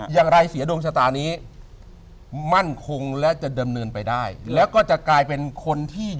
อย่างไรเสียดวงชะตานี้